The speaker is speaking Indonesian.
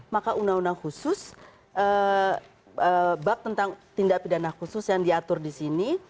maka undang undang khusus bab tentang tindak pidana khusus yang diatur di sini